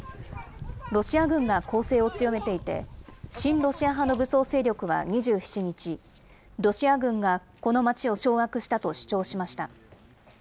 ロシア軍が攻勢を強めていて、親ロシア派の武装勢力は２７日、ロシア軍がこの町を掌握したと主張しました。